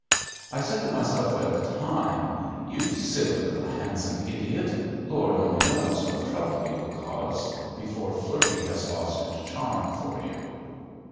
I said to myself at the time, "You silly little handsome idiot, Lord only knows what trouble you will cause before flirting has lost its charm for you."